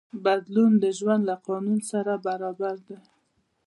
بدلون د ژوند له قانون سره برابر دی.